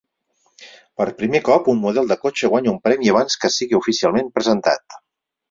Per primer cop, un model de cotxe guanya un premi abans que sigui oficialment presentat.